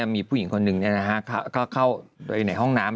มีผู้หญิงคนหนึ่งเข้า